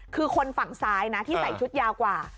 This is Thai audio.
คือคนฝั่งซ้ายนะที่ใส่ชุดยาวกว่า